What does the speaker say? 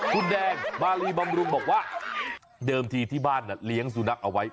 คุณแดงมารีบำรุงบอกว่าเดิมทีที่บ้านเลี้ยงสุนัขเอาไว้